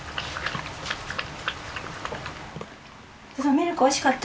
ミルクおいしかった？